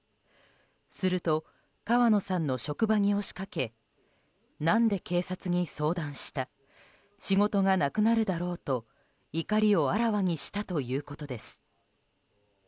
すると川野さんの職場に押しかけ何で警察に相談した仕事がなくなるだろと、怒りをあらわにしたということです。